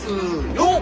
よっ！